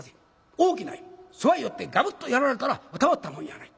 大きな犬そばへ寄ってガブッとやられたらたまったもんやない。